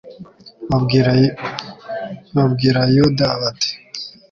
babwira yuda bati